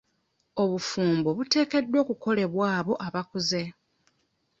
Obufumbo buteekeddwa kukolebwa abo abakuze.